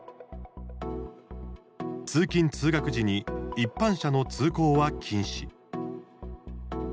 通勤通学時に一般車の通行は禁止。